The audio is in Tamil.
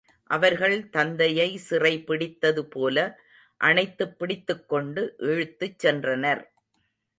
அவர்கள் தந்தையை சிறை பிடித்தது போல, அணைத்துப் பிடித்துக்கொண்டு இழுத்துச் சென்றனர்.